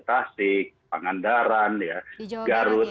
tasik pangandaran garut